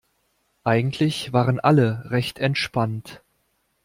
Eigentlich waren alle recht entspannt.